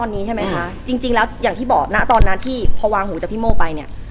อันนี้จริงจริงแล้วอย่างที่บอกตอนนั้นที่พอวางหูจากพี่โม้ไปเนี่ย